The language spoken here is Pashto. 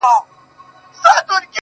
زه چي لـه چــــا سـره خبـري كـوم.